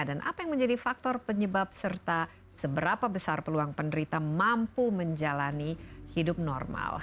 dan apa yang menjadi faktor penyebab serta seberapa besar peluang penerita mampu menjalani hidup normal